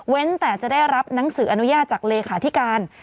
แต่จะได้รับหนังสืออนุญาตจากเลขาธิการ